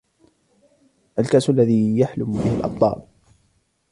الکاس الذی یحلم به الابطال.